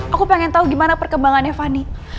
aku pengen tau gimana perkembangannya fani